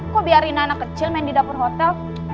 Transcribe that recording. kok biarin anak kecil main di dapur hotel